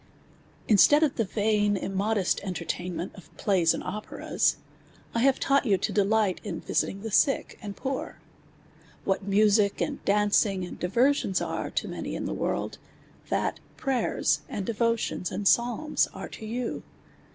instead of the vain, imnnulest (MitertainnuMit of ])lavsan(l operas, I huve taui; ht v«)U to delii; ht in visit in:; the sick and poor. \\ hat music, iind dancini;', and diversions are to many in the world, that prayers, and devotions, and psalms are to you.